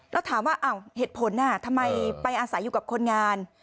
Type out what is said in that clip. แล้วถามว่าเหตุผลทำไมไปอาศัยอยู่กับคนงาน